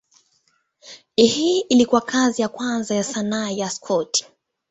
Hii ilikuwa kazi ya kwanza ya sanaa ya Scott.